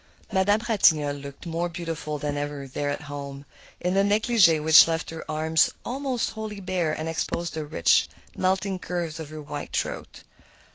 Madame Ratignolle looked more beautiful than ever there at home, in a negligé which left her arms almost wholly bare and exposed the rich, melting curves of her white throat.